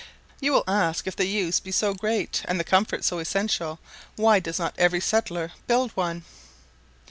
You will ask if the use be so great, and the comfort so essential, why does not every settler build one?